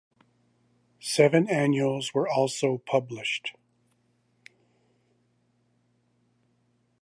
Seven annuals were also published.